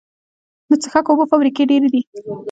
د څښاک اوبو فابریکې ډیرې دي